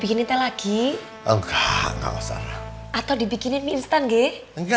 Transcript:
kayak bang ahman vitia